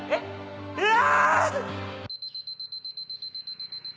うわ！